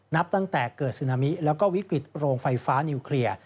นับตั้งแต่เกิดซึนามิแล้วก็วิกฤตโรงไฟฟ้านิวเคลียร์